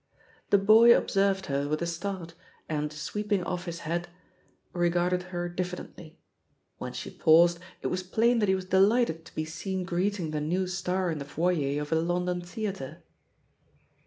The boy observed her with a start, and sweeping off his hat, regarded her dif fidently. When she paused, it was plain that he fTHE POSITION OF PEGGY HARPER «6S was delighted to be seen greeting the new star in the foyer of a London theatre.